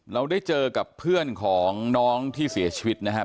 เราได้เจอกับเพื่อนของน้องที่เสียชีวิตนะครับ